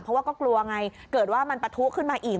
เพราะว่าก็กลัวไงเกิดว่ามันปะทุขึ้นมาอีก